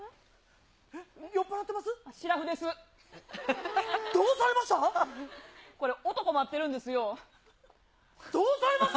酔っぱらってます？